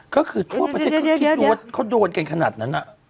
เขาคือทั่วประเทศคิดว่าเขาโดนกันขนาดนั้นน่ะ